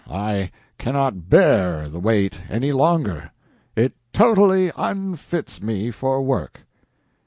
I cannot bear the weight any longer. It totally unfits me for work."